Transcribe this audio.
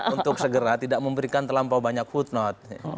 untuk segera tidak memberikan terlampau banyak footnote